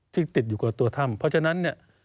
ติดอยู่กับตัวถ้ำเพราะฉะนั้นเนี่ย